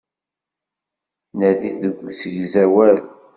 Nadit deg usegzawal.